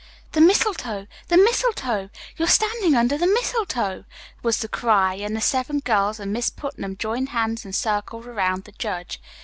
"The mistletoe! The mistletoe! You're standing under the mistletoe!" was the cry and the seven girls and Miss Putnam joined hands and circled around the judge.